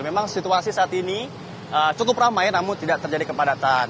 memang situasi saat ini cukup ramai namun tidak terjadi kepadatan